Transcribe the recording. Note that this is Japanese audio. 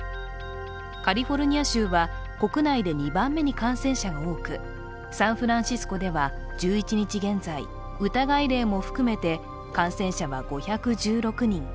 カリフォルニア州は国内で２番目に感染者が多くサンフランシスコでは１１日現在、疑い例も含めて感染者は５１６人。